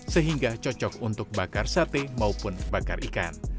sehingga cocok untuk bakar sate maupun bakar ikan